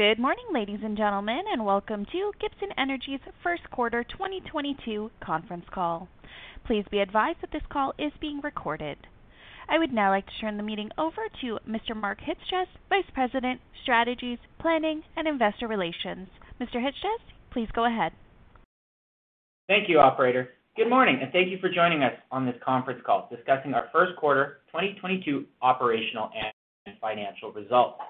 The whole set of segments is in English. Good morning, ladies and gentlemen, and welcome to Gibson Energy's Q1 2022 Conference Call. Please be advised that this call is being recorded. I would now like to turn the meeting over to Mr. Mark Chyc-Cies, Vice President, Strategy, Planning & Investor Relations. Mr. Chyc-Cies, please go ahead. Thank you, operator. Good morning, and thank you for joining us on this Conference Call discussing our Q1 2022 operational and financial results.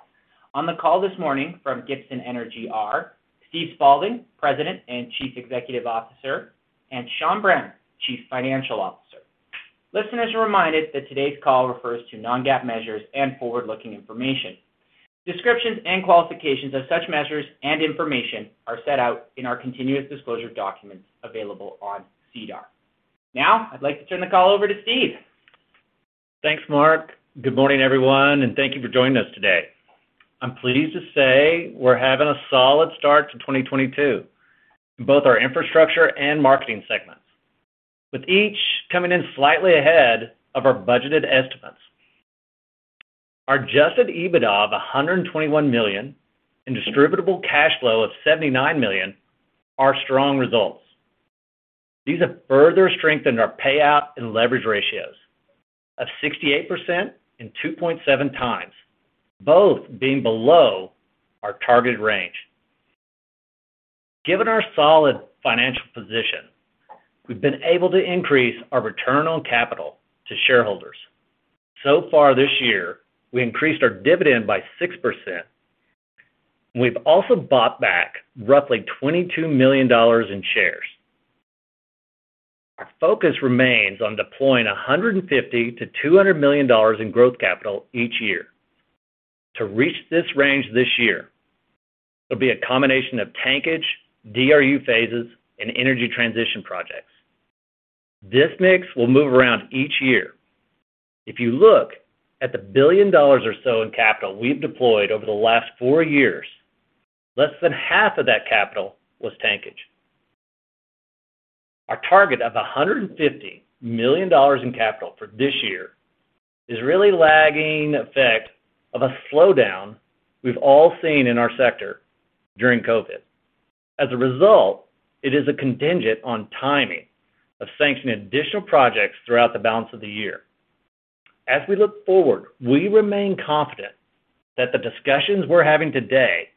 On the call this morning from Gibson Energy are Steve Spaulding, President and Chief Executive Officer, and Sean Brown, Chief Financial Officer. Listeners are reminded that today's call refers to non-GAAP measures and forward-looking information. Descriptions and qualifications of such measures and information are set out in our continuous disclosure documents available on SEDAR. Now, I'd like to turn the call over to Steve. Thanks, Mark. Good morning, everyone, and thank you for joining us today. I'm pleased to say we're having a solid start to 2022 in both our infrastructure and marketing segments, with each coming in slightly ahead of our budgeted estimates. Our adjusted EBITDA of 121 million and distributable cash flow of 79 million are strong results. These have further strengthened our payout and leverage ratios of 68% and 2.7 times, both being below our targeted range. Given our solid financial position, we've been able to increase our return on capital to shareholders. So far this year, we increased our dividend by 6%. We've also bought back roughly 22 million dollars in shares. Our focus remains on deploying 150 million-200 million dollars in growth capital each year. To reach this range this year, it'll be a combination of tankage, DRU phases, and energy transition projects. This mix will move around each year. If you look at 1 billion dollars or so in capital we've deployed over the last four years, less than half of that capital was tankage. Our target of 150 million dollars in capital for this year is really lagging effect of a slowdown we've all seen in our sector during COVID. As a result, it is a contingent on timing of sanctioning additional projects throughout the balance of the year. As we look forward, we remain confident that the discussions we're having today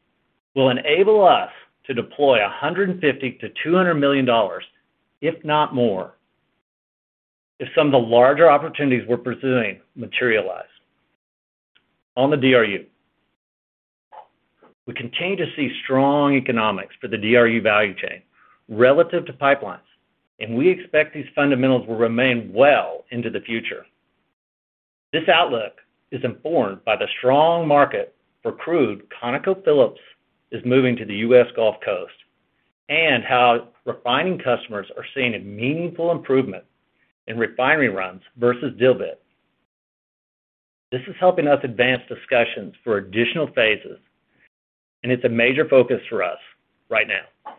will enable us to deploy 150-200 million dollars, if not more, if some of the larger opportunities we're pursuing materialize. On the DRU, we continue to see strong economics for the DRU value chain relative to pipelines, and we expect these fundamentals will remain well into the future. This outlook is informed by the strong market for crude, ConocoPhillips is moving to the US Gulf Coast, and how refining customers are seeing a meaningful improvement in refinery runs versus dilbit. This is helping us advance discussions for additional phases, and it's a major focus for us right now.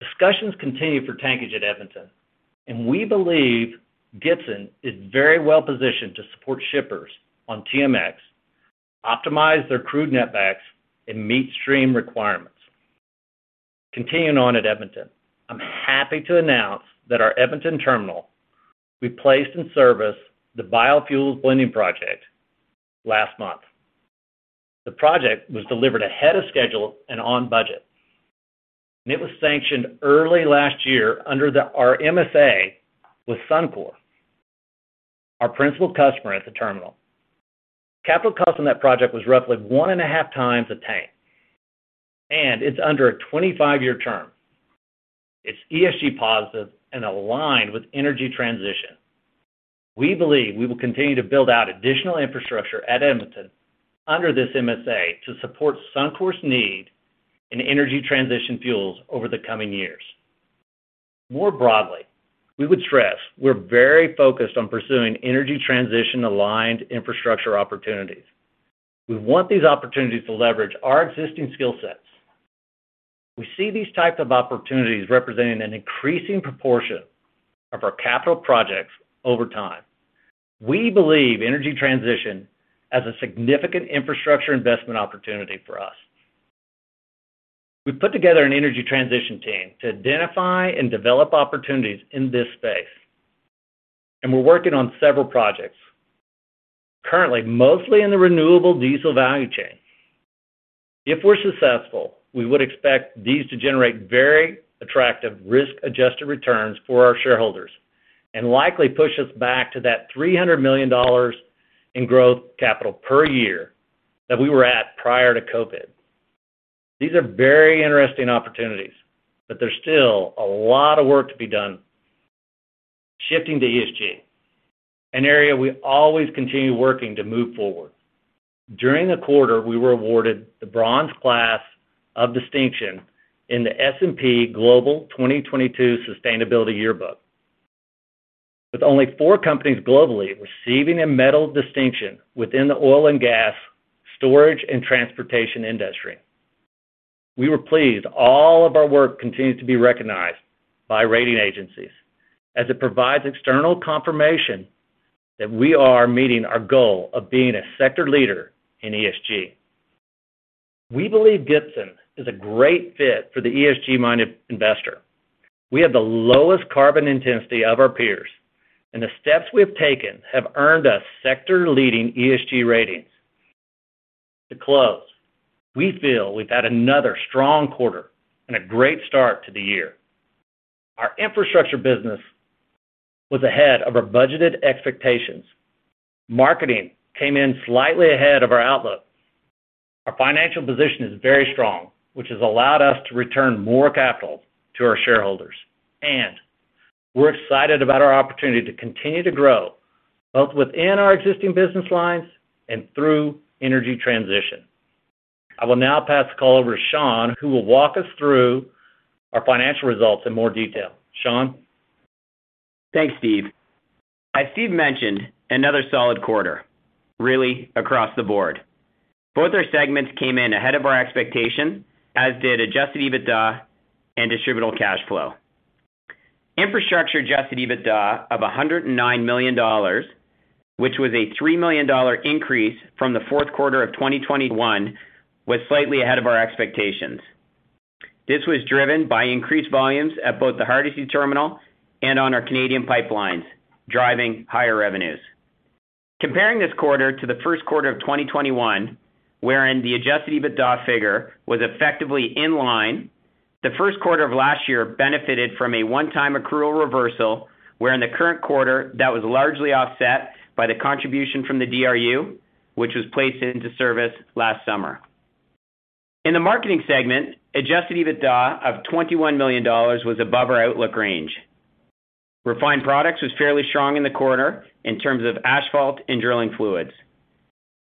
Discussions continue for tankage at Edmonton, and we believe Gibson is very well-positioned to support shippers on TMX, optimize their crude netbacks, and meet stream requirements. Continuing on at Edmonton, I'm happy to announce that our Edmonton terminal. We placed in service the biofuels blending project last month. The project was delivered ahead of schedule and on budget. It was sanctioned early last year under our MSA with Suncor, our principal customer at the terminal. Capital cost on that project was roughly 1.5 times a tank, and it's under a 25-year term. It's ESG positive and aligned with energy transition. We believe we will continue to build out additional infrastructure at Edmonton under this MSA to support Suncor's need in energy transition fuels over the coming years. More broadly, we would stress we're very focused on pursuing energy transition-aligned infrastructure opportunities. We want these opportunities to leverage our existing skill sets. We see these type of opportunities representing an increasing proportion of our capital projects over time. We believe energy transition as a significant infrastructure investment opportunity for us. We've put together an energy transition team to identify and develop opportunities in this space, and we're working on several projects, currently mostly in the renewable diesel value chain. If we're successful, we would expect these to generate very attractive risk-adjusted returns for our shareholders and likely push us back to that 300 million dollars in growth capital per year that we were at prior to COVID. These are very interesting opportunities, but there's still a lot of work to be done. Shifting to ESG, an area we always continue working to move forward. During the quarter, we were awarded the Bronze Class of Distinction in the S&P Global 2022 Sustainability Yearbook. With only four companies globally receiving a metal distinction within the oil and gas storage and transportation industry. We were pleased all of our work continues to be recognized by rating agencies as it provides external confirmation that we are meeting our goal of being a sector leader in ESG. We believe Gibson is a great fit for the ESG-minded investor. We have the lowest carbon intensity of our peers, and the steps we have taken have earned us sector-leading ESG ratings. To close, we feel we've had another strong quarter and a great start to the year. Our infrastructure business was ahead of our budgeted expectations. Marketing came in slightly ahead of our outlook. Our financial position is very strong, which has allowed us to return more capital to our shareholders, and we're excited about our opportunity to continue to grow both within our existing business lines and through energy transition. I will now pass the call over to Sean, who will walk us through our financial results in more detail. Sean? Thanks, Steve. As Steve mentioned, another solid quarter, really across the board. Both our segments came in ahead of our expectation, as did adjusted EBITDA and distributable cash flow. Infrastructure adjusted EBITDA of 109 million dollars, which was a 3 million dollar increase from the Q4 2021, was slightly ahead of our expectations. This was driven by increased volumes at both the Hardisty terminal and on our Canadian pipelines, driving higher revenues. Comparing this quarter to the Q1 2021, wherein the adjusted EBITDA figure was effectively in line, the Q1 last year benefited from a one-time accrual reversal, wherein the current quarter that was largely offset by the contribution from the DRU, which was placed into service last summer. In the marketing segment, adjusted EBITDA of 21 million dollars was above our outlook range. Refined products was fairly strong in the quarter in terms of asphalt and drilling fluids.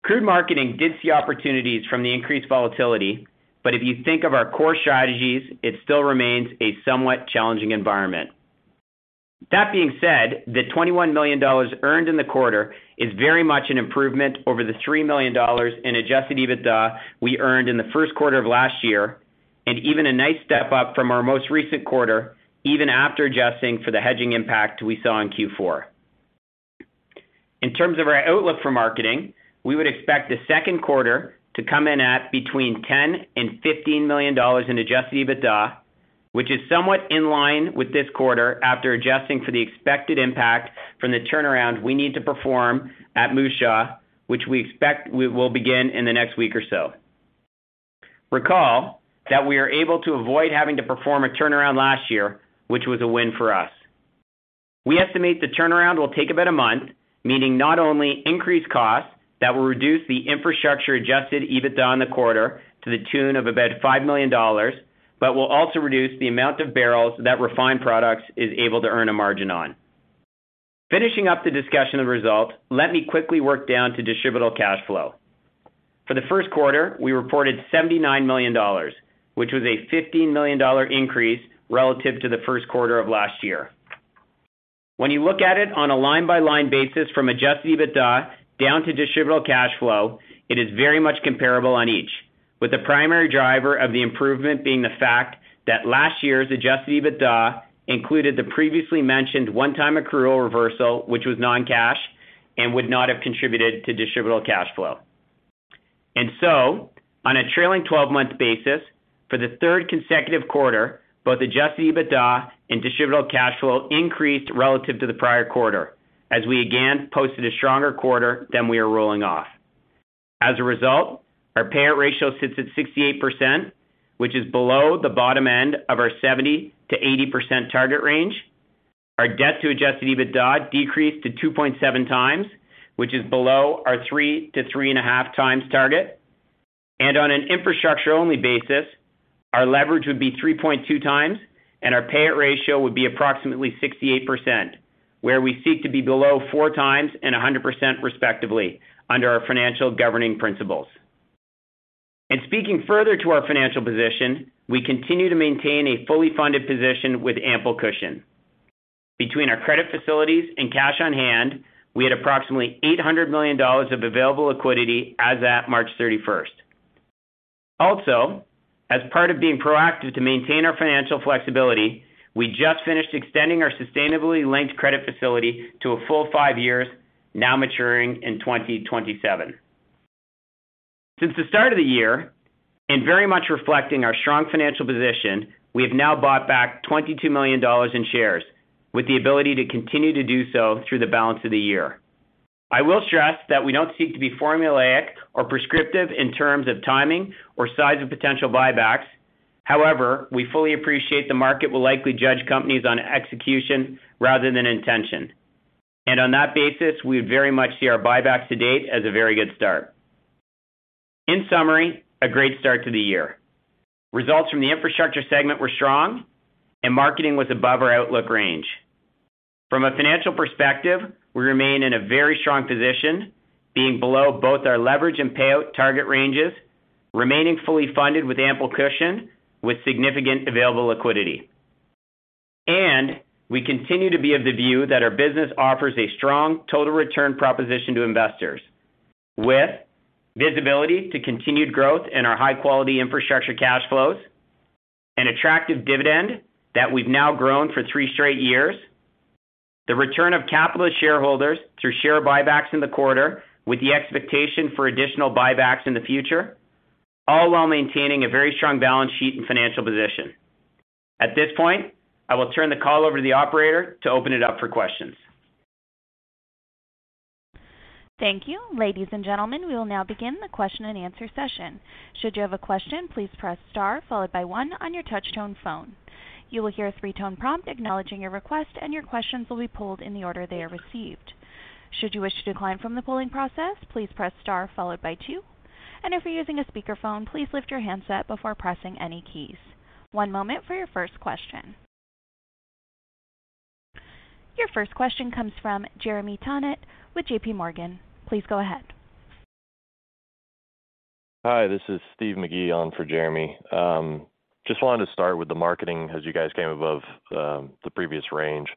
Crude marketing did see opportunities from the increased volatility, but if you think of our core strategies, it still remains a somewhat challenging environment. That being said, the 21 million dollars earned in the quarter is very much an improvement over the 3 million dollars in adjusted EBITDA we earned in the Q1 last year, and even a nice step up from our most recent quarter, even after adjusting for the hedging impact we saw in Q4. In terms of our outlook for marketing, we would expect the Q2 to come in at between 10 million and 15 million dollars in adjusted EBITDA, which is somewhat in line with this quarter after adjusting for the expected impact from the turnaround we need to perform at Moose Jaw, which we expect we will begin in the next week or so. Recall that we are able to avoid having to perform a turnaround last year, which was a win for us. We estimate the turnaround will take about a month, meaning not only increased costs that will reduce the infrastructure-adjusted EBITDA in the quarter to the tune of about 5 million dollars, but will also reduce the amount of barrels that refined products is able to earn a margin on. Finishing up the discussion of results, let me quickly work down to distributable cash flow. For the Q1, we reported 79 million dollars, which was a 15 million dollar increase relative to the Q1 last year. When you look at it on a line-by-line basis from adjusted EBITDA down to distributable cash flow, it is very much comparable on each, with the primary driver of the improvement being the fact that last year's adjusted EBITDA included the previously mentioned one-time accrual reversal, which was non-cash and would not have contributed to distributable cash flow. On a trailing twelve-month basis, for the third consecutive quarter, both adjusted EBITDA and distributable cash flow increased relative to the prior quarter as we again posted a stronger quarter than we are rolling off. As a result, our payout ratio sits at 68%, which is below the bottom-end of our 70%-80% target range. Our debt to adjusted EBITDA decreased to 2.7 times, which is below our 3-3.5 times target. On an infrastructure-only basis, our leverage would be 3.2 times and our payout ratio would be approximately 68%, where we seek to be below 4 times and 100% respectively under our financial governing principles. Speaking further to our financial position, we continue to maintain a fully funded position with ample cushion. Between our credit facilities and cash on hand, we had approximately 800 million dollars of available liquidity as at March thirty-first. Also, as part of being proactive to maintain our financial flexibility, we just finished extending our sustainability-linked credit facility to a full-5-years, now maturing in 2027. Since the start of the year, and very much reflecting our strong financial position, we have now bought back 22 million dollars in shares, with the ability to continue to do so through the balance of the year. I will stress that we don't seek to be formulaic or prescriptive in terms of timing or size of potential buybacks. However, we fully appreciate the market will likely judge companies on execution rather than intention. On that basis, we very much see our buybacks to date as a very good start. In summary, a great start to the year. Results from the infrastructure segment were strong and marketing was above our outlook range. From a financial perspective, we remain in a very strong position being below both our leverage and payout target ranges, remaining fully funded with ample cushion, with significant available liquidity. We continue to be of the view that our business offers a strong total return proposition to investors with visibility to continued growth in our high-quality infrastructure cash flows, an attractive dividend that we've now grown for three straight years, the return of capital to shareholders through share buybacks in the quarter, with the expectation for additional buybacks in the future, all while maintaining a very strong balance sheet and financial position. At this point, I will turn the call over to the operator to open it up for questions. Thank you. Ladies and gentlemen, we will now begin the question-and-answer session. Should you have a question, please press star followed by one on your touch-tone phone. You will hear a three-tone prompt acknowledging your request, and your questions will be pulled in the order they are received. Should you wish to decline from the polling process, please press star followed by two. If you're using a speakerphone, please lift your handset before pressing any keys. One moment for your first question. Your first question comes from Jeremy Tonet with JPMorgan. Please go ahead. Hi, this is Stephen McGee on for Jeremy. Just wanted to start with the marketing as you guys came above the previous range.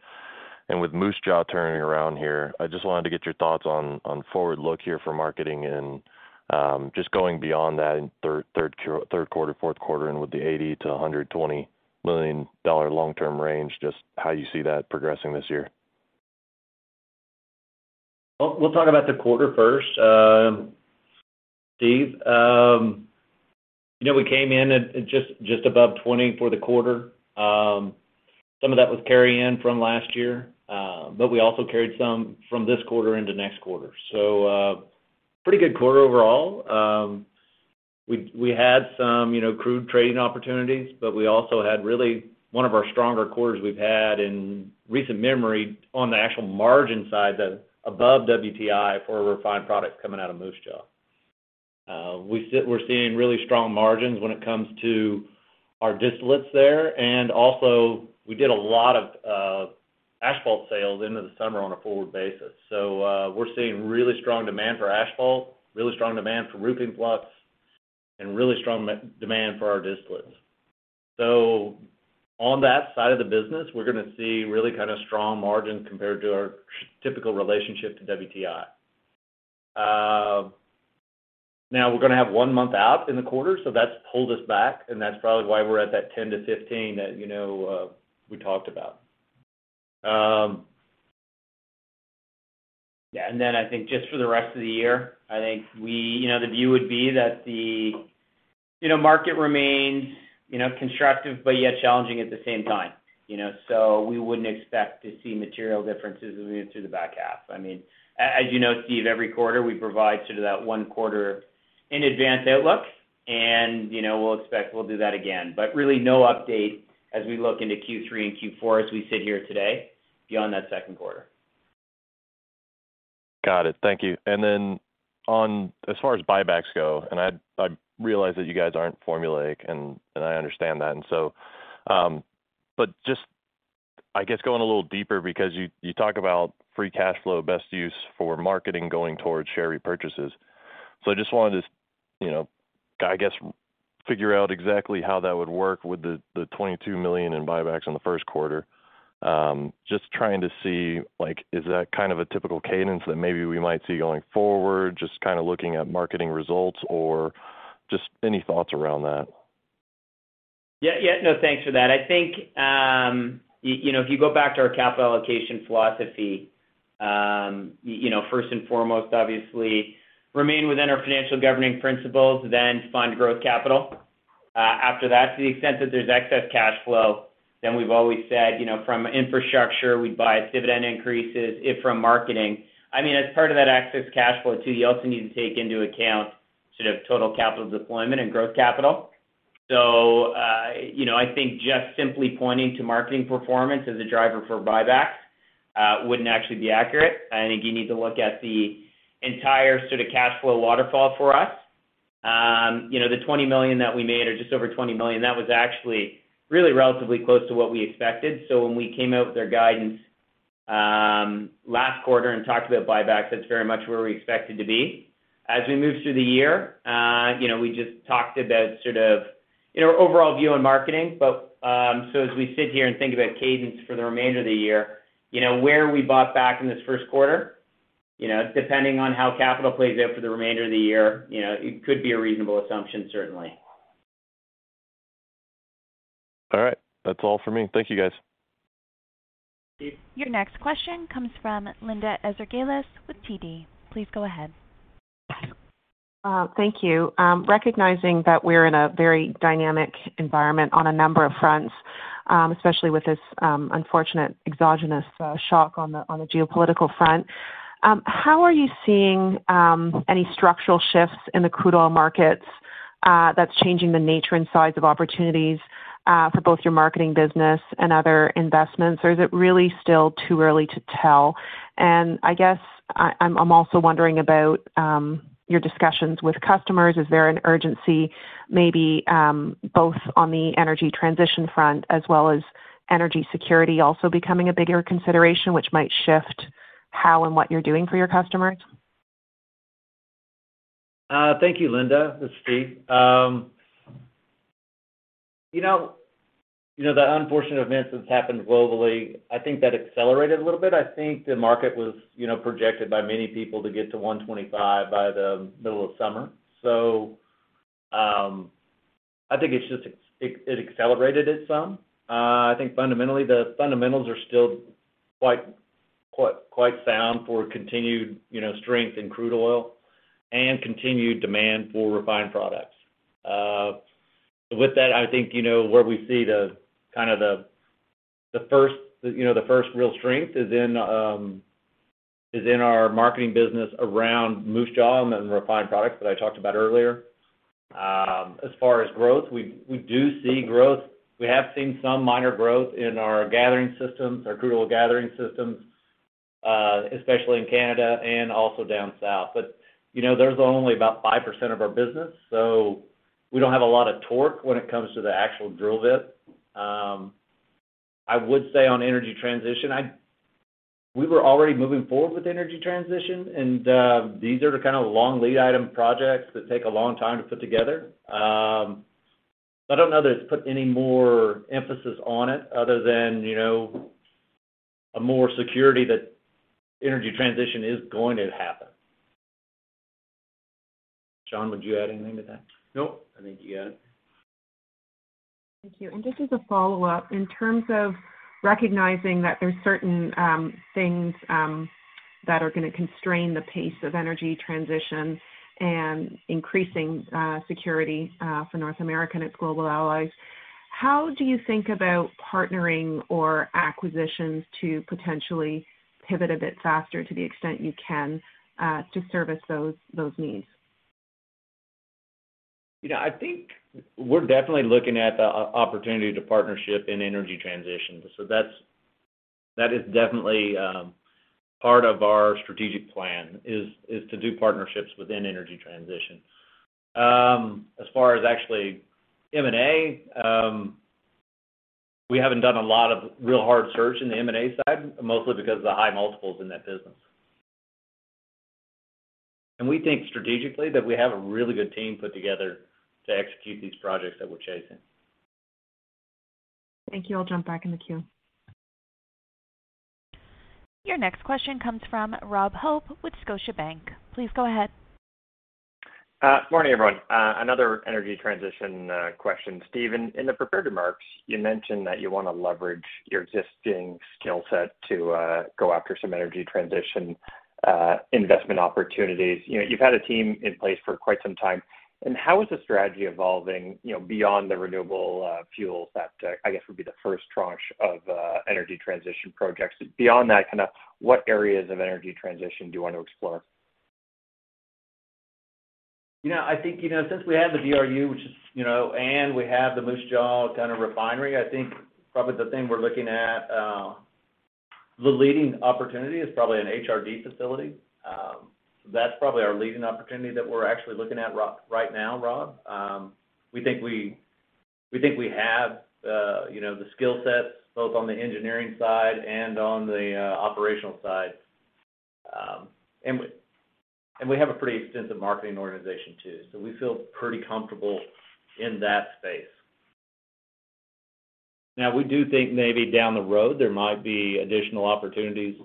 With Moose Jaw turning around here, I just wanted to get your thoughts on forward look here for marketing and just going beyond that in Q3, Q4 and with the $80-$120 million long-term range, just how you see that progressing this year. We'll talk about the Q1, Stephen. You know, we came in at just above 20 for the quarter. Some of that was carry in from last year, but we also carried some from this quarter into next quarter. Pretty good quarter overall. We had some, you know, crude trading opportunities, but we also had really one of our stronger quarters we've had in recent memory on the actual margin side, the above WTI for refined products coming out of Moose Jaw. We're seeing really strong margins when it comes to our distillates there. We did a lot of asphalt sales into the summer on a forward basis. We're seeing really strong demand for asphalt, really strong demand for roofing pellets, and really strong demand for our distillates. On that side of the business, we're gonna see really kind of strong margins compared to our typical relationship to WTI. Now we're gonna have one month out in the quarter, so that's pulled us back, and that's probably why we're at that 10-15 that, you know, we talked about. I think just for the rest of the year, I think you know, the view would be that the, you know, market remains, you know, constructive but yet challenging at the same time, you know. We wouldn't expect to see material differences as we move through the back half. I mean, as you know, Stephen, every quarter, we provide sort of that one quarter in advance outlook and, you know, we'll expect we'll do that again. Really no update as we look into Q3 and Q4 as we sit here today beyond that Q2. Got it. Thank you. On, as far as buybacks go, I realize that you guys aren't formulaic, and I understand that. Just, I guess, going a little deeper because you talk about free cash flow, best use for marketing going towards share repurchases. I just wanted to, you know, I guess, figure out exactly how that would work with the 22 million in buybacks in the Q1. Just trying to see, like, is that kind of a typical cadence that maybe we might see going forward, just kind of looking at marketing results, or just any thoughts around that? Yeah, yeah. No, thanks for that. I think, you know, if you go back to our capital allocation philosophy, you know, first and foremost, obviously remain within our financial governing principles, then fund growth capital. After that, to the extent that there's excess cash flow, then we've always said, you know, from infrastructure, we'd buy dividend increases if from marketing. I mean, as part of that excess cash flow too, you also need to take into account sort of total capital deployment and growth capital. You know, I think just simply pointing to marketing performance as a driver for buybacks, wouldn't actually be accurate. I think you need to look at the entire sort of cash flow waterfall for us. You know, the 20 million that we made or just over 20 million, that was actually really relatively close to what we expected. When we came out with our guidance last quarter and talked about buybacks, that's very much where we expected to be. As we move through the year, you know, we just talked about sort of, you know, overall view on marketing. As we sit here and think about cadence for the remainder of the year, you know, where we bought back in this Q1, you know, depending on how capital plays out for the remainder of the year, you know, it could be a reasonable assumption, certainly. All right. That's all for me. Thank you, guys. Stephen. Your next question comes from Linda Ezergailis with TD. Please go ahead. Thank you. Recognizing that we're in a very dynamic environment on a number of fronts, especially with this unfortunate exogenous shock on the geopolitical front, how are you seeing any structural shifts in the crude oil markets that's changing the nature and size of opportunities for both your marketing business and other investments? Or is it really still too early to tell? I guess I'm also wondering about your discussions with customers. Is there an urgency maybe both on the energy transition front as well as energy security also becoming a bigger consideration, which might shift how and what you're doing for your customers? Thank you, Linda. This is Steve. You know, the unfortunate events that's happened globally, I think that accelerated a little bit. I think the market was, you know, projected by many people to get to $125 by the middle of summer. I think it accelerated it some. I think fundamentally, the fundamentals are still quite sound for continued, you know, strength in crude oil and continued demand for refined products. With that, I think, you know, where we see the kind of the first real strength is in our marketing business around Moose Jaw and the refined products that I talked about earlier. As far as growth, we do see growth. We have seen some minor growth in our gathering systems, our crude oil gathering systems, especially in Canada and also down south. You know, there's only about 5% of our business, so we don't have a lot of torque when it comes to the actual drill bit. We were already moving forward with energy transition, and these are the kind of long-lead item projects that take a long time to put together. I don't know that it's put any more emphasis on it other than, you know, a more security that energy transition is going to happen. Sean, would you add anything to that? Nope. I think you got it. Thank you. Just as a follow-up, in terms of recognizing that there are certain things that are gonna constrain the pace of energy transition and increasing security for North America and its global allies, how do you think about partnering or acquisitions to potentially pivot a bit faster to the extent you can to service those needs? You know, I think we're definitely looking at the opportunity for partnership in energy transition. That is definitely part of our strategic plan, to do partnerships within energy transition. As far as actually M&A, we haven't done a lot of real hard search in the M&A side, mostly because of the high-multiples in that business. We think strategically that we have a really good team put together to execute these projects that we're chasing. Thank you. I'll jump back in the queue. Your next question comes from Robert Hope with Scotiabank. Please go ahead. Morning, everyone. Another energy transition question. Steve, in the prepared remarks, you mentioned that you wanna leverage your existing skill set to go after some energy transition investment opportunities. You know, you've had a team in place for quite some time. How is the strategy evolving, you know, beyond the renewable fuels that I guess would be the first tranche of energy transition projects? Beyond that, kinda what areas of energy transition do you want to explore? You know, I think, you know, since we have the DRU, which is, you know, and we have the Moose Jaw kind of refinery, I think probably the thing we're looking at, the leading opportunity is probably an HRD facility. That's probably our leading opportunity that we're actually looking at right now, Rob. We think we have, you know, the skill sets both on the engineering side and on the operational side. And we have a pretty extensive marketing organization too. So we feel pretty comfortable in that space. Now, we do think maybe down the road, there might be additional opportunities,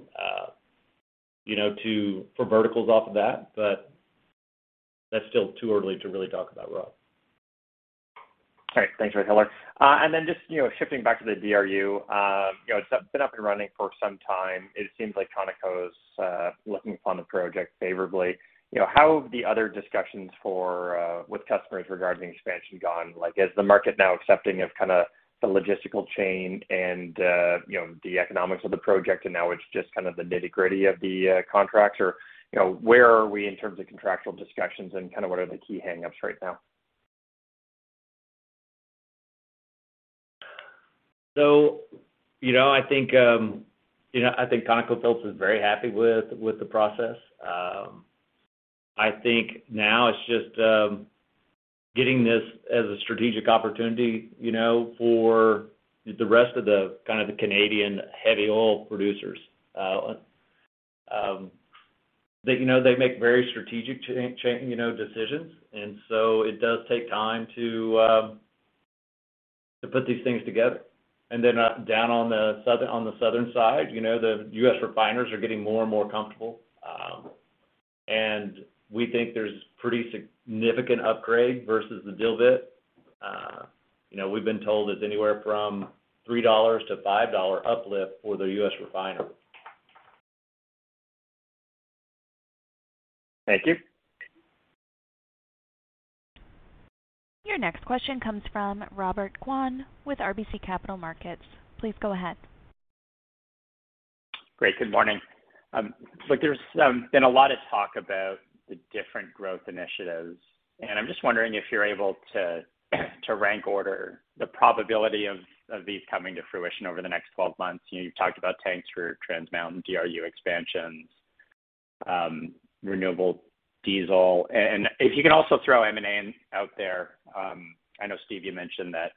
you know, for verticals off of that, but that's still too early to really talk about, Rob. All right. Thanks for the color. Just, you know, shifting back to the DRU, you know, it's been up and running for some time. It seems like ConocoPhillips' looking upon the project favorably. You know, how have the other discussions with customers regarding expansion gone? Like, is the market now accepting of kinda the logistical chain and, you know, the economics of the project, and now it's just kind of the nitty-gritty of the contracts? Or, you know, where are we in terms of contractual discussions, and kinda what are the key hang-ups right now? You know, I think ConocoPhillips is very happy with the process. I think now it's just getting this as a strategic opportunity, you know, for the rest of the kind of the Canadian heavy oil producers. You know, they make very strategic you know, decisions. Down on the southern side, you know, the US refiners are getting more and more comfortable. We think there's pretty significant upgrade versus the dilbit. You know, we've been told it's anywhere from $3-$5 uplift for the US refiner. Thank you. Your next question comes from Robert Kwan with RBC Capital Markets. Please go ahead. Great. Good morning. Look, there's been a lot of talk about the different growth initiatives, and I'm just wondering if you're able to to rank order the probability of these coming to fruition over the next 12 months. You know, you've talked about tanks for Trans Mountain DRU expansions, renewable diesel. If you can also throw M&A out there. I know, Steve, you mentioned that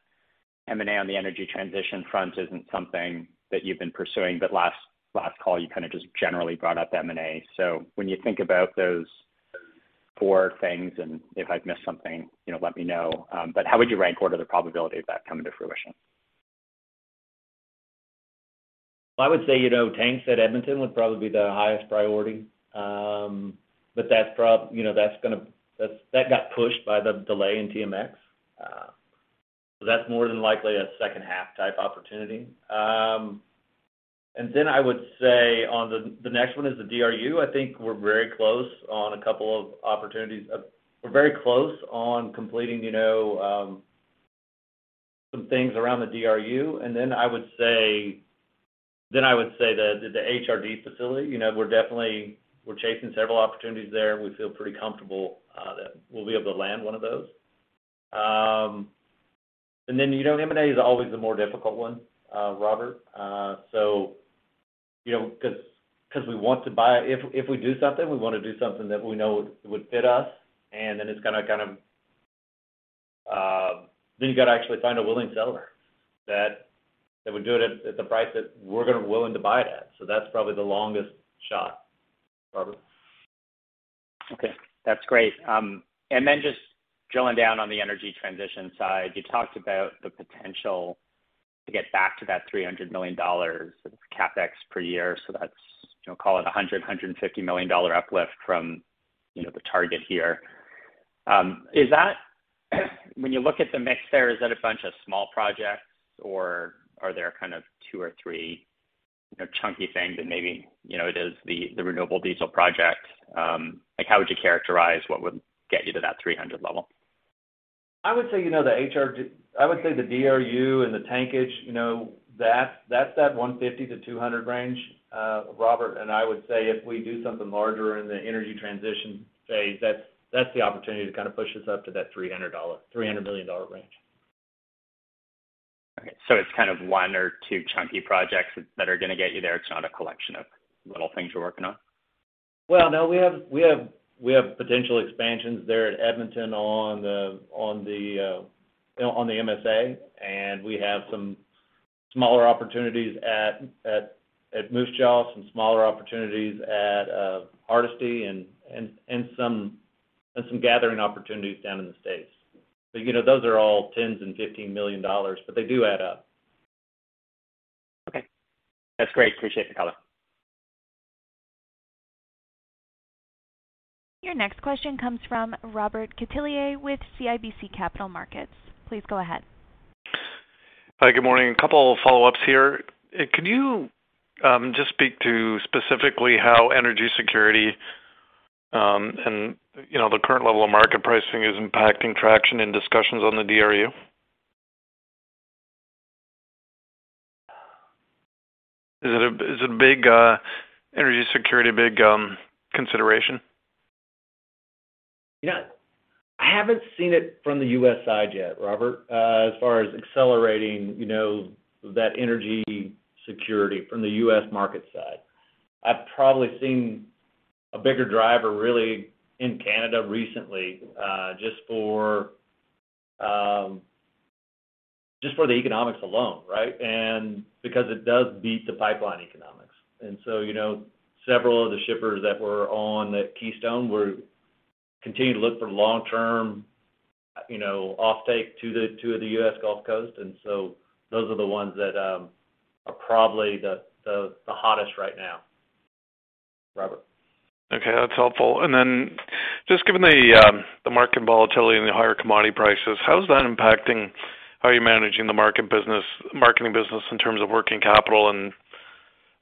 M&A on the energy transition front isn't something that you've been pursuing, but last call, you kind of just generally brought up M&A. When you think about those four things, and if I've missed something, you know, let me know. But how would you rank order the probability of that coming to fruition? I would say tanks at Edmonton would probably be the highest-priority. That's, that got pushed by the delay in TMX. That's more than likely a second half type opportunity. I would say on the next one is the DRU. I think we're very close on a couple of opportunities. We're very close on completing some things around the DRU. I would say that the HRD facility. We're chasing several opportunities there. We feel pretty comfortable that we'll be able to land one of those. M&A is always the more difficult one, Robert. 'Cause we want to buy it. If we do something, we wanna do something that we know would fit us, and then it's gonna kind of. Then you gotta actually find a willing seller that would do it at the price that we're gonna be willing to buy it at. So that's probably the longest shot, Robert. Okay, that's great. Just drilling down on the energy transition side, you talked about the potential to get back to that 300 million dollars of CapEx per year. That's, you know, call it a 150 million-dollar uplift from, you know, the target here. When you look at the mix there, is that a bunch of small projects or are there kind of two or three, you know, chunky things that maybe, you know, it is the renewable diesel project? Like how would you characterize what would get you to that 300 level? I would say, you know, the DRU and the tankage, you know, that's that 150-200 range, Robert. I would say if we do something larger in the energy transition phase, that's the opportunity to kind of push us up to that 300 million dollar range. Okay. It's kind of one or two chunky projects that are gonna get you there. It's not a collection of little things you're working on. Well, no, we have potential expansions there at Edmonton on the, you know, on the MSA. We have some smaller opportunities at Moose Jaw, some smaller opportunities at Hardisty and some gathering opportunities down in the States. You know, those are all CAD 10 million and 15 million dollars, but they do add up. Okay. That's great. Appreciate the color. Your next question comes from Robert Catellier with CIBC Capital Markets. Please go ahead. Hi, good morning. A couple of follow-ups here. Could you just speak to specifically how energy security and, you know, the current level of market pricing is impacting traction and discussions on the DRU? Is it a big energy security consideration? Yeah. I haven't seen it from the US. side yet, Robert, as far as accelerating, you know, that energy security from the US. market side. I've probably seen a bigger driver really in Canada recently, just for the economics alone, right? Because it does beat the pipeline economics. You know, several of the shippers that were on that Keystone continue to look for long-term, you know, offtake to the US. Gulf Coast. Those are the ones that are probably the hottest right now, Robert. Okay. That's helpful. Just given the market volatility and the higher commodity prices, how is that impacting how you're managing the marketing business in terms of working capital and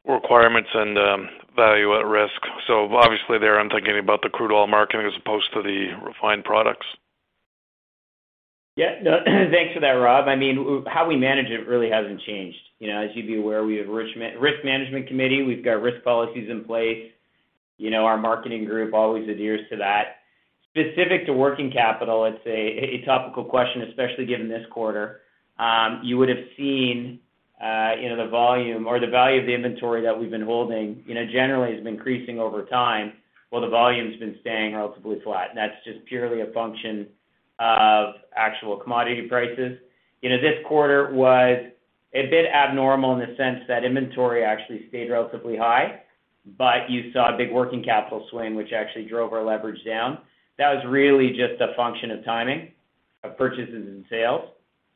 requirements and value at risk? Obviously there, I'm thinking about the crude oil marketing as opposed to the refined products. Yeah. No, thanks for that, Rob. I mean, how we manage it really hasn't changed. You know, as you'd be aware, we have risk management committee. We've got risk policies in place. You know, our marketing group always adheres to that. Specific to working capital, it's a topical question, especially given this quarter. You would have seen, you know, the volume or the value of the inventory that we've been holding, you know, generally has been increasing over time, while the volume's been staying relatively flat. That's just purely a function of actual commodity prices. You know, this quarter was a bit abnormal in the sense that inventory actually stayed relatively high, but you saw a big working capital swing, which actually drove our leverage down. That was really just a function of timing of purchases and sales.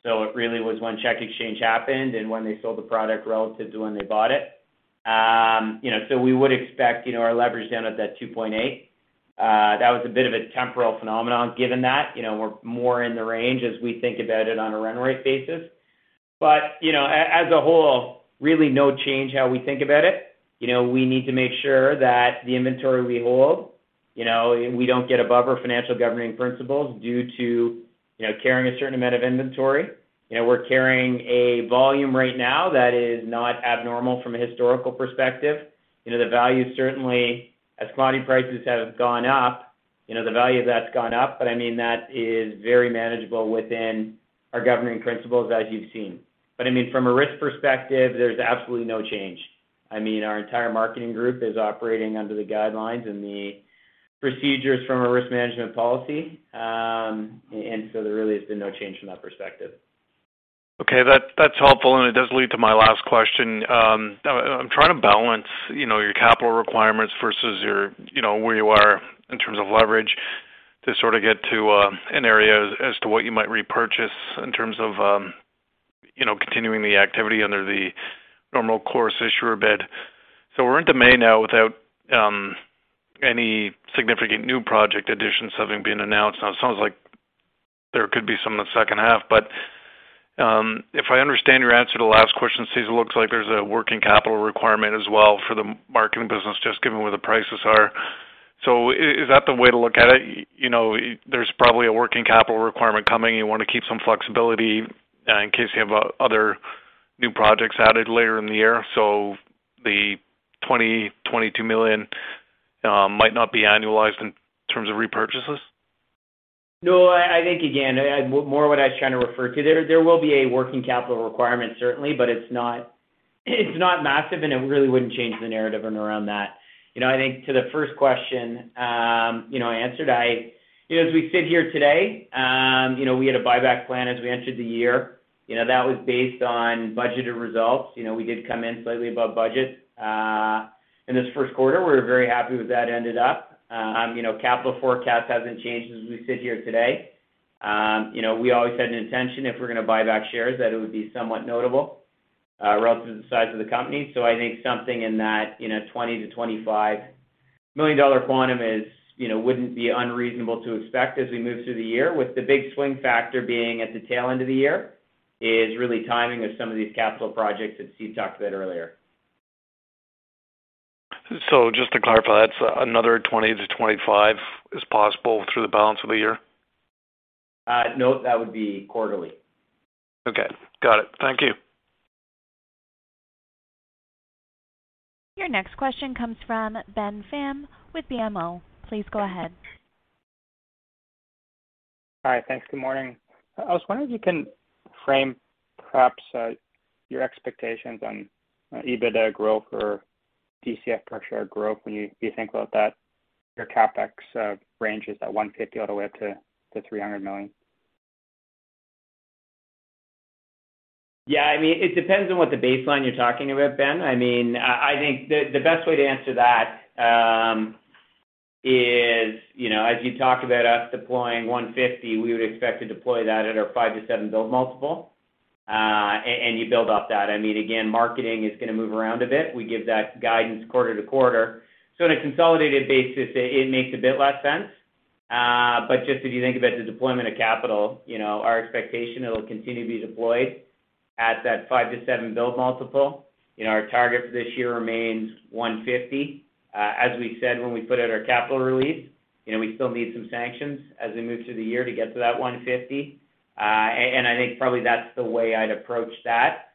It really was when FX exchange happened and when they sold the product relative to when they bought it. You know, so we would expect, you know, our leverage down at that 2.8. That was a bit of a temporal phenomenon given that. You know, we're more in the range as we think about it on a run rate basis. You know, as a whole, really no change in how we think about it. You know, we need to make sure that the inventory we hold, you know, we don't get above our financial governing principles due to, you know, carrying a certain amount of inventory. You know, we're carrying a volume right now that is not abnormal from a historical perspective. You know, the value certainly as commodity prices have gone up, you know, the value of that's gone up, but I mean, that is very manageable within our governing principles as you've seen. I mean, from a risk perspective, there's absolutely no change. I mean, our entire marketing group is operating under the guidelines and the procedures from a risk management policy. There really has been no change from that perspective. Okay. That's helpful, and it does lead to my last question. I'm trying to balance, you know, your capital requirements versus your, you know, where you are in terms of leverage to sort of get to an area as to what you might repurchase in terms of, you know, continuing the activity under the normal course issuer bid. We're into May now without any significant new project additions having been announced. Now, it sounds like there could be some in the second half. If I understand your answer to the last question, Steve, it looks like there's a working capital requirement as well for the marketing business, just given where the prices are. Is that the way to look at it? You know, there's probably a working capital requirement coming. You wanna keep some flexibility in case you have other new projects added later in the year. The 22 million might not be annualized in terms of repurchases. No, I think again, more what I was trying to refer to there. There will be a working capital requirement certainly, but it's not massive, and it really wouldn't change the narrative in and around that. You know, I think to the first question, I answered. You know, as we sit here today, you know, we had a buyback plan as we entered the year. You know, that was based on budgeted results. You know, we did come in slightly above budget in this Q1. We're very happy with how that ended up. You know, capital forecast hasn't changed as we sit here today. You know, we always had an intention, if we're gonna buy back shares, that it would be somewhat notable relative to the size of the company. I think something in that, you know, 20 million-25 million dollar quantum is, you know, wouldn't be unreasonable to expect as we move through the year, with the big swing factor being at the tail end of the year, is really timing of some of these capital projects that Steve talked about earlier. Just to clarify, that's another 20-25 is possible through the balance of the year? No, that would be quarterly. Okay. Got it. Thank you. Your next question comes from Benjamin Pham with BMO. Please go ahead. Hi. Thanks. Good morning. I was wondering if you can frame perhaps your expectations on EBITDA growth or DCF per share growth when you think about that, your CapEx ranges at 150 million all the way up to 300 million. Yeah, I mean, it depends on what the baseline you're talking about, Ben. I mean, I think the best way to answer that is, you know, as you talked about us deploying 150, we would expect to deploy that at our 5-7x EBITDA multiple, and you build up that. I mean, again, marketing is gonna move around a bit. We give that guidance quarter-to-quarter. On a consolidated basis, it makes a bit less sense. Just if you think about the deployment of capital, you know, our expectation, it'll continue to be deployed at that 5-7x EBITDA multiple. You know, our target for this year remains 150. As we said when we put out our capital release, you know, we still need some sanctions as we move through the year to get to that 150. I think probably that's the way I'd approach that.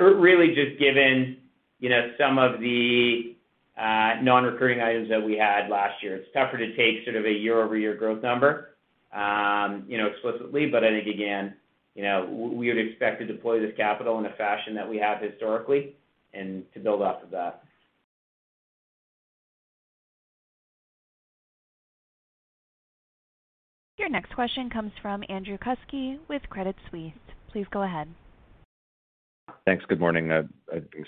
Really just given, you know, some of the non-recurring items that we had last year. It's tougher to take sort of a year-over-year growth number, you know, explicitly. I think, again, you know, we would expect to deploy this capital in a fashion that we have historically and to build off of that. Your next question comes from Andrew Kuske with Credit Suisse. Please go ahead. Thanks. Good morning.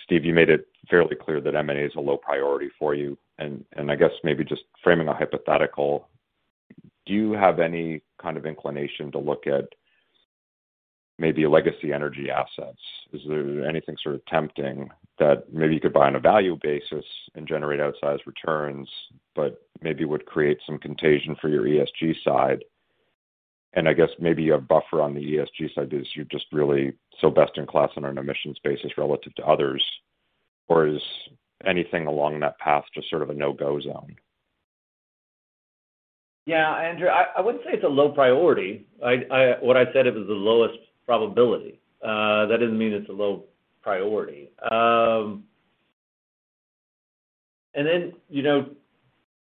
Steve, you made it fairly clear that M&A is a low-priority for you. I guess maybe just framing a hypothetical, do you have any kind of inclination to look at maybe legacy energy assets? Is there anything sort of tempting that maybe you could buy on a value basis and generate outsized returns, but maybe would create some contagion for your ESG side? I guess maybe a buffer on the ESG side is you're just really so best in class on an emissions basis relative to others, or is anything along that path just sort of a no-go zone? Yeah, Andrew, I wouldn't say it's a low-priority. What I said, it was the lowest probability. That doesn't mean it's a low-priority. You know,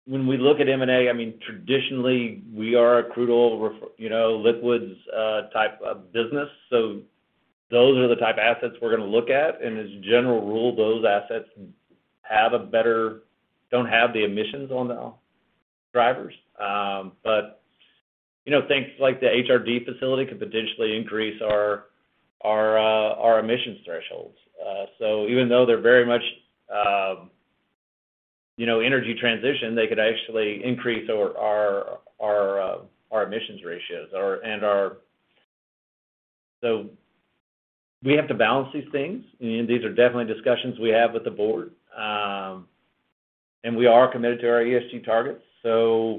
when we look at M&A, I mean, traditionally we are a crude oil liquids type of business. So those are the type of assets we're gonna look at. As a general rule, those assets don't have the emissions on the drivers. You know, things like the HRD facility could potentially increase our emissions thresholds. Even though they're very much, you know, energy transition, they could actually increase our emissions ratios or and our. We have to balance these things. These are definitely discussions we have with the board. We are committed to our ESG targets. There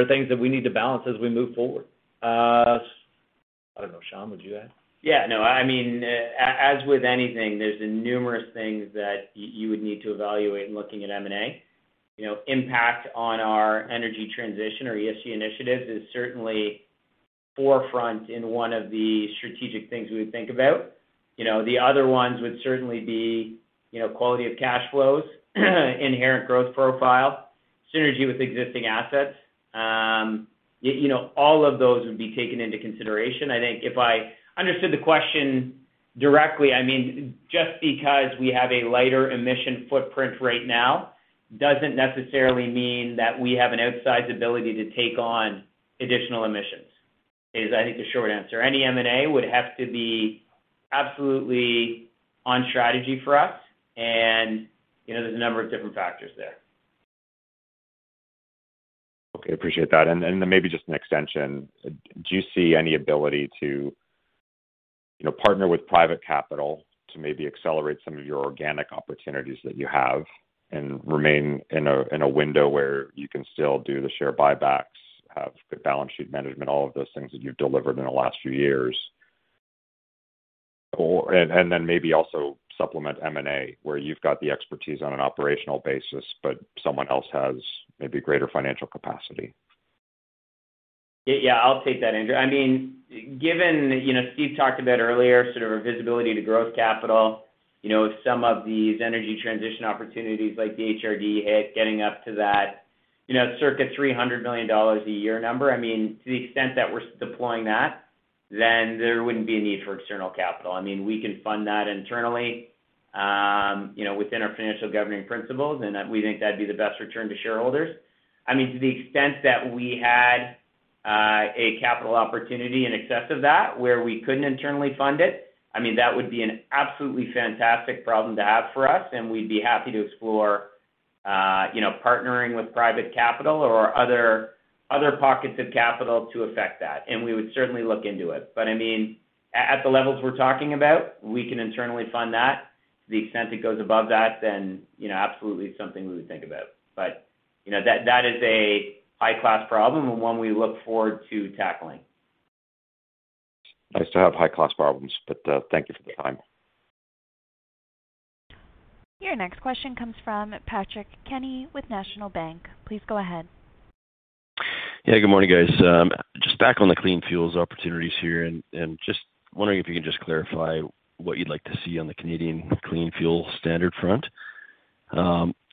are things that we need to balance as we move forward. I don't know, Sean, would you add? Yeah, no. I mean, as with anything, there's numerous things that you would need to evaluate in looking at M&A. You know, impact on our energy transition or ESG initiatives is certainly forefront in one of the strategic things we would think about. You know, the other ones would certainly be, you know, quality of cash flows, inherent growth profile, synergy with existing assets. You know, all of those would be taken into consideration. I think if I understood the question directly, I mean, just because we have a lighter emission footprint right now doesn't necessarily mean that we have an outsized ability to take on additional emissions, is I think the short answer. Any M&A would have to be absolutely on strategy for us and, you know, there's a number of different factors there. Okay, appreciate that. Maybe just an extension. Do you see any ability to, you know, partner with private capital to maybe accelerate some of your organic opportunities that you have and remain in a window where you can still do the share buybacks, have good balance sheet management, all of those things that you've delivered in the last few years? Maybe also supplement M&A where you've got the expertise on an operational basis, but someone else has maybe greater financial capacity. Yeah, I'll take that, Andrew. I mean, given, you know, Steve talked about earlier sort of our visibility to growth capital. You know, some of these energy transition opportunities like the HRD hit getting up to that, you know, circa 300 million dollars a year number. I mean, to the extent that we're deploying that, then there wouldn't be a need for external capital. I mean, we can fund that internally, you know, within our financial governing principles, and we think that'd be the best return to shareholders. I mean, to the extent that we had a capital opportunity in excess of that where we couldn't internally fund it, I mean, that would be an absolutely fantastic problem to have for us, and we'd be happy to explore, you know, partnering with private capital or other pockets of capital to affect that, and we would certainly look into it. I mean, at the levels we're talking about, we can internally fund that. To the extent it goes above that, you know, absolutely it's something we would think about. You know, that is a high-class problem and one we look forward to tackling. Nice to have high-class problems, but thank you for the time. Your next question comes from Patrick Kenny with National Bank. Please go ahead. Yeah, good morning, guys. Just back on the clean fuels opportunities here and just wondering if you can just clarify what you'd like to see on the Canadian clean fuel standard front.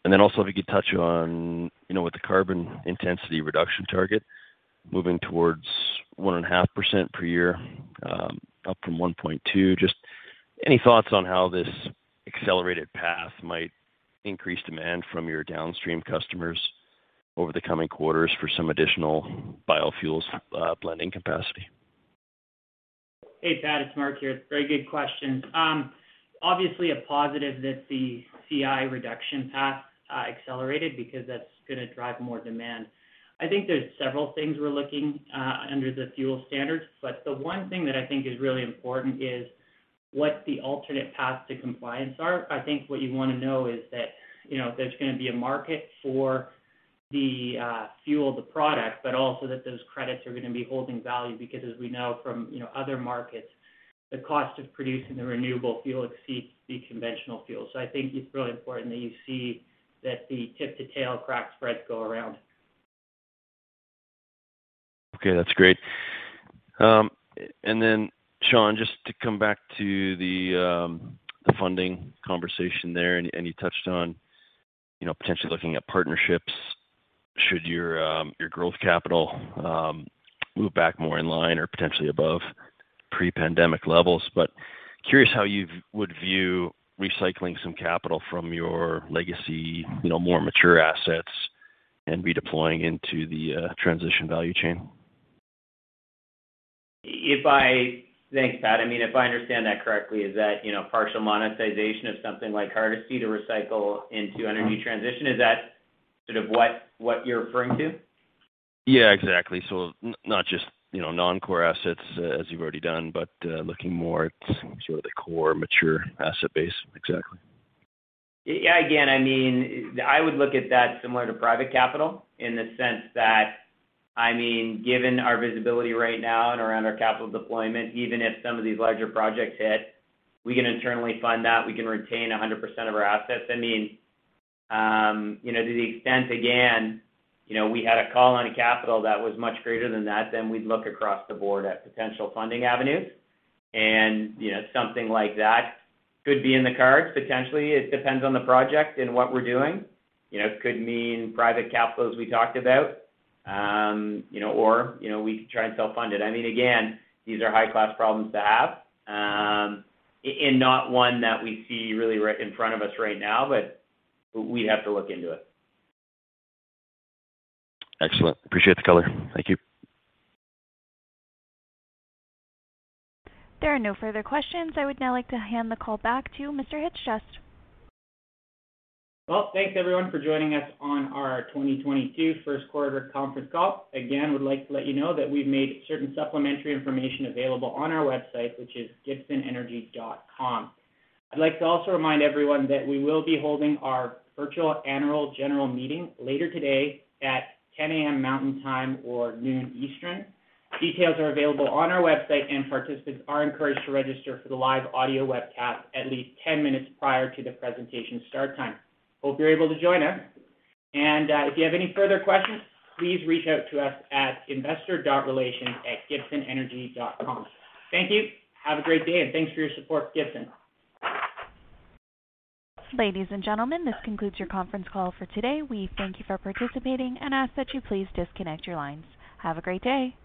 And then also if you could touch on, you know, with the carbon intensity reduction target moving towards 1.5% per year, up from 1.2. Just any thoughts on how this accelerated path might increase demand from your downstream customers over the coming quarters for some additional biofuels blending capacity? Hey, Pat, it's Mark here. Very good question. Obviously a positive that the CI reduction path accelerated because that's gonna drive more demand. I think there's several things we're looking under the fuel standards, but the one thing that I think is really important is what the alternate paths to compliance are. I think what you'd wanna know is that, you know, there's gonna be a market for the fuel, the product, but also that those credits are gonna be holding value because as we know from, you know, other markets, the cost of producing the renewable fuel exceeds the conventional fuel. I think it's really important that you see that the tip-to-tail crack spreads turn around. Okay, that's great. And then, Sean, just to come back to the funding conversation there, and you touched on, you know, potentially looking at partnerships should your growth capital move back more in line or potentially above pre-pandemic levels. But curious how you would view recycling some capital from your legacy, you know, more mature assets and redeploying into the transition value chain. Thanks, Pat. I mean, if I understand that correctly, is that, you know, partial monetization of something like Hardisty to recycle into energy transition, is that sort of what you're referring to? Yeah, exactly. Not just, you know, non-core assets as you've already done, but looking more at sort of the core mature asset base. Exactly. Yeah. Again, I mean, I would look at that similar to private capital in the sense that, I mean, given our visibility right now and around our capital deployment, even if some of these larger projects hit, we can internally fund that, we can retain 100% of our assets. I mean, you know, to the extent, again, you know, we had a call on a capital that was much greater than that, then we'd look across the board at potential funding avenues. You know, something like that could be in the cards potentially. It depends on the project and what we're doing. You know, it could mean private capital, as we talked about. You know, or, you know, we could try and self-fund it. I mean, again, these are high-class problems to have, and not one that we see really right in front of us right now, but we'd have to look into it. Excellent. Appreciate the color. Thank you. There are no further questions. I would now like to hand the call back to Mr. Chyc-Cies. Well, thanks everyone for joining us on our 2022 Q1 Conference Call. Again, would like to let you know that we've made certain supplementary information available on our website, which is gibsonenergy.com. I'd like to also remind everyone that we will be holding our virtual annual general meeting later today at 10 A.M. Mountain Time or noon Eastern. Details are available on our website and participants are encouraged to register for the live audio webcast at least 10 minutes prior to the presentation start time. Hope you're able to join us. If you have any further questions, please reach out to us at investor.relations@gibsonenergy.com. Thank you. Have a great day, and thanks for your support for Gibson. Ladies and gentlemen, this concludes your Conference Call for today. We thank you for participating and ask that you please disconnect your lines. Have a great day.